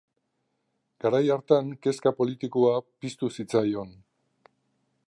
Garai hartan kezka politikoa piztu zitzaion.